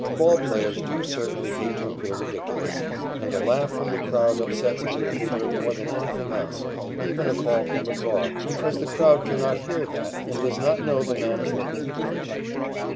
Ball players do certainly hate to appear ridiculous, and the laugh from the crowd upsets a Big Leaguer more than anything else, even a call from McGraw, because the crowd cannot hear that and does not know the man is looking foolish.